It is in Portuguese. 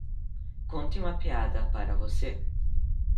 Conte uma piada para você